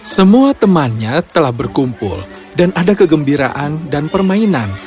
semua temannya telah berkumpul dan ada kegembiraan dan permainan